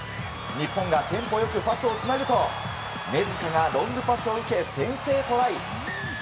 日本がテンポ良くパスをつなぐと根塚がロングパスを受け先制トライ。